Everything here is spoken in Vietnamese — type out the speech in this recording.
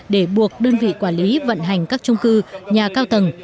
để buộc đơn vị quản lý vận hành các trung cư nhà cao tầng